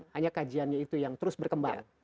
hanya kajiannya itu yang terus berkembang